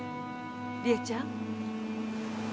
理恵ちゃん。